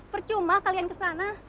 percuma kalian kesana